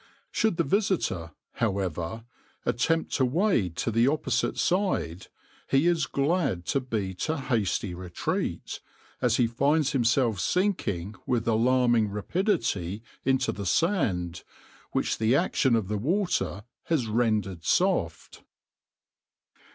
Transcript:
Should the visitor, however, attempt to wade to the opposite side, he is glad to beat a hasty retreat, as he finds himself sinking with alarming rapidity into the sand, which the action of the water has rendered soft.